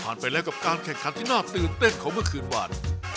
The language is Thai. ไปแล้วกับการแข่งขันที่น่าตื่นเต้นของเมื่อคืนวาน